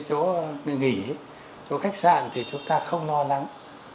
chỗ nghỉ chỗ khách sạn thì chúng ta không lo lắng